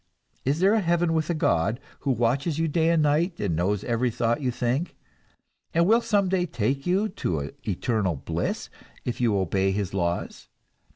Is there a heaven with a God, who watches you day and night, and knows every thought you think, and will some day take you to eternal bliss if you obey his laws?